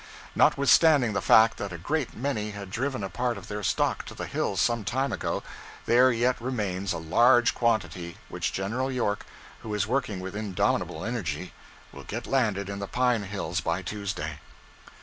Notwithstanding the fact that a great many had driven a part of their stock to the hills some time ago, there yet remains a large quantity, which General York, who is working with indomitable energy, will get landed in the pine hills by Tuesday.